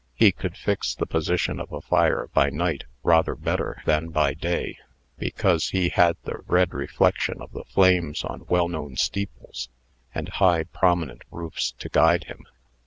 He could fix the position of a fire by night rather better than by day, because he had the red reflection of the flames on well known steeples, and high, prominent roofs to guide him.